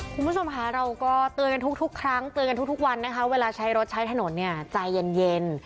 คุณผู้ชมค่ะเราก็เตือนกันทุกครั้งเตือนกันทุกวันนะคะเวลาใช้รถใช้ถนนเนี่ยใจเย็น